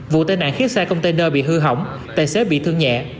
vụ tai nạn khiến xe container bị hư hỏng tài xế bị thương nhẹ